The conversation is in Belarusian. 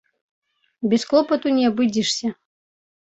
Без клопату не абыдзешся.